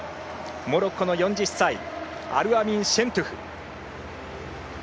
モロッコの４０歳アルアミン・シェントゥフ。